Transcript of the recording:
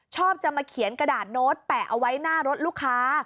ชอบจะมาเขียนกระดาษโน้ตแปะเอาไว้หน้ารถลูกค้า